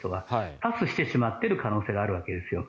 パスしてしまっている可能性があるわけですよ。